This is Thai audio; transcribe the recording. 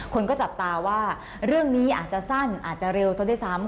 คนก็จับตาว่าเรื่องนี้อาจจะสั้นอาจจะเร็วซะด้วยซ้ำ